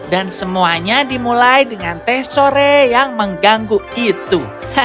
dan semuanya dimulai dengan teh sore yang mengganggu itu